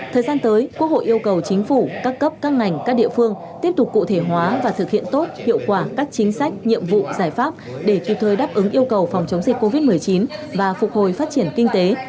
thời gian tới quốc hội yêu cầu chính phủ các cấp các ngành các địa phương tiếp tục cụ thể hóa và thực hiện tốt hiệu quả các chính sách nhiệm vụ giải pháp để kịp thời đáp ứng yêu cầu phòng chống dịch covid một mươi chín và phục hồi phát triển kinh tế